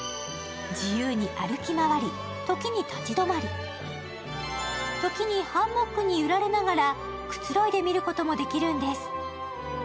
自由に歩き回り、時に立ち止まり、時にハンモックにゆられながらくつろいで見ることができるんです。